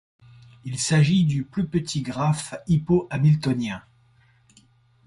Il s'agit du plus petit graphe hypohamiltonien.